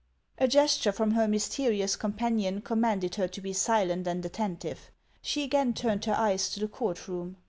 A gesture from her mysterious companion commanded her to be silent and attentive. She again turned her eyes to the court room.